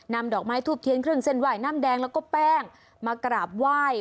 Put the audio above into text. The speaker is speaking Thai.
ดอกไม้ทูบเทียนเครื่องเส้นไหว้น้ำแดงแล้วก็แป้งมากราบไหว้